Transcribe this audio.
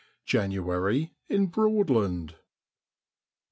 JANUARY IN BROADLAND.